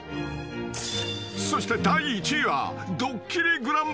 ［そして第１位は］